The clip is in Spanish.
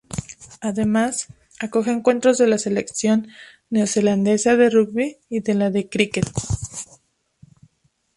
Además, acoge encuentros de la selección neozelandesa de rugby y de la de críquet.